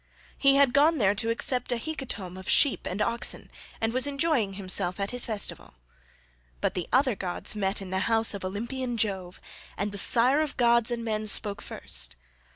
1 He had gone there to accept a hecatomb of sheep and oxen, and was enjoying himself at his festival; but the other gods met in the house of Olympian Jove, and the sire of gods and men spoke first.